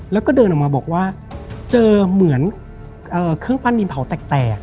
แล้วก็เดินออกมาบอกว่าเจอเหมือนเครื่องปั้นดินเผาแตก